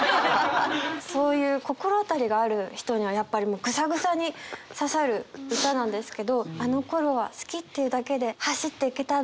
そういう心当たりがある人にはやっぱりもうグサグサに刺さる歌なんですけどあの頃は好きっていうだけで走っていけたなって。